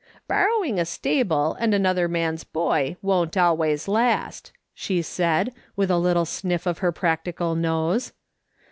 " Borrowing a stable and another man's boy won't always last," she said, with a little sniff of her practi cal nose.